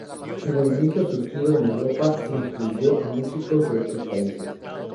El movimiento surgido en Europa, influyó a músicos de otros países.